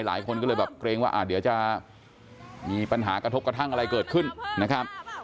หลายคนก็เลยแบบเกรงว่าเดี๋ยวจะมีปัญหากระทบกระทั่งอะไรเกิดขึ้นนะครับ